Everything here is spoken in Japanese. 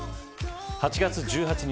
８月１８日